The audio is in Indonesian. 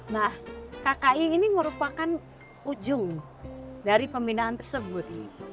nah kki ini merupakan ujung dari pembinaan tersebut